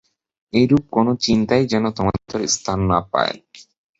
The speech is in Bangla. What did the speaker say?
এইরূপ কোন চিন্তাই যেন তোমাদের ভিতর স্থান না পায়।